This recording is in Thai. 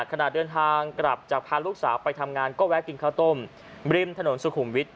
ขณะเดินทางกลับจากพาลูกสาวไปทำงานก็แวะกินข้าวต้มริมถนนสุขุมวิทย